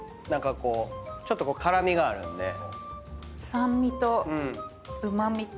酸味とうま味と。